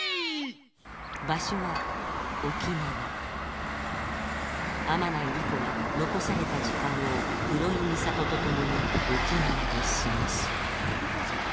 場所は沖縄天内理子は残された時間を黒井美里と共に沖縄で過ごすほんとじゃ。